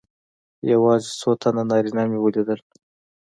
یوازې څو تنه نارینه مې ولیدل.